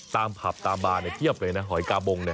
ตามผับตามบางเทียบเลยนะหอยกาบง